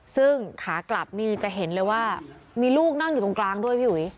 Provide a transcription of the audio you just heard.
ซึ่งขากลับนี่จะเห็นเลยว่ามีลูกนั่งอยู่ตรงกลางด้วยพี่อุ๋ย